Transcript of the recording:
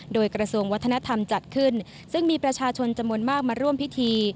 โดยกระทรวงวัฒนธรรมจัดขึ้นซึ่งมีประชาชนจำนวนมากมาร่วมพิธี